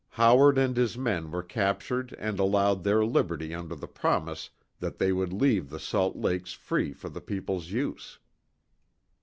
Howard and his men were captured and allowed their liberty under the promise that they would leave the Salt Lakes free for the people's use.